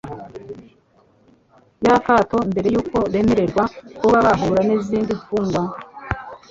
y'akato, mbere yuko bemererwa kuba bahura n'izindi mfungwa.